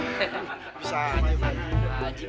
bisa mainkan uduk